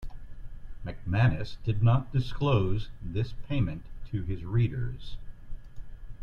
McManus did not disclose this payment to his readers.